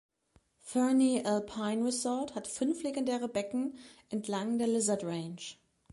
Fernie Alpine Resort hat fünf legendäre Becken entlang der Lizard Range.